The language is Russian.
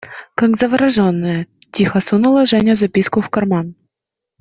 Как завороженная, тихо сунула Женя записку в карман.